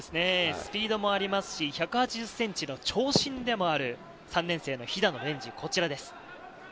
スピードもありますし、１８０ｃｍの長身でもある３年生の肥田野蓮治。